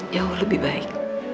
jauh lebih baik